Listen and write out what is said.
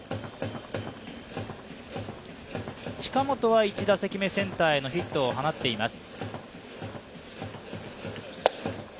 近本は１打席目センターへのヒットを放っています。